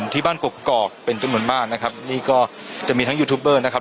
ที่บ้านกกอกเป็นจำนวนมากนะครับนี่ก็จะมีทั้งยูทูบเบอร์นะครับ